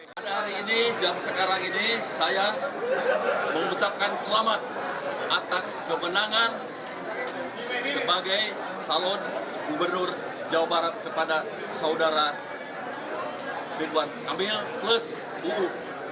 pada hari ini jam sekarang ini saya mengucapkan selamat atas kemenangan sebagai salon gubernur jawa barat kepada saudara ridwan kamil plus buruk